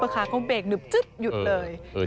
เขาเบกซ์หนึบจัดยุดเลย